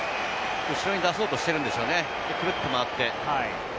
後ろに出そうとしてるんですよね、くるっと回って。